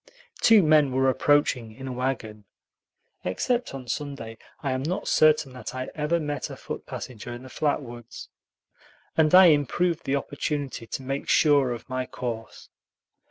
Two men were approaching in a wagon (except on Sunday, I am not certain that I ever met a foot passenger in the flat woods), and I improved the opportunity to make sure of my course.